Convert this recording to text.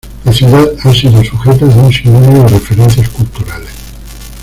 La ciudad ha sido sujeta de un sinnúmero de referencias culturales.